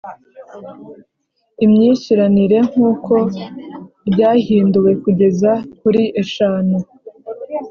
imyishyuranire nk uko ryahinduwe kugeza kuri eshanu